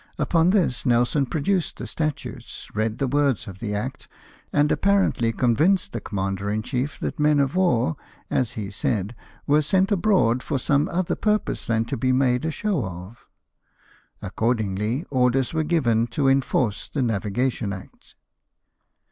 Upon this Nelson produced the statutes, read the words of the Act, and apparently convinced the commander in chief that men of war, as he said, " were sent abroad for some other purpose than to be made a show of" Accordingly, orders were given to enforce the Navigation Act.